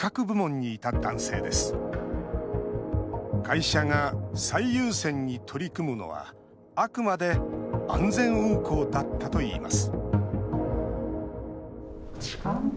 会社が最優先に取り組むのはあくまで安全運行だったといいます